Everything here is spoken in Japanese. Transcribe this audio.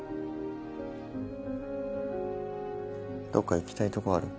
どっか行きたいとこある？